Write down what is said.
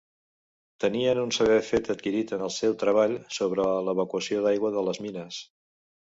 Tenien un saber fet adquirit en el seu treball sobre l'evacuació d'aigua de les mines.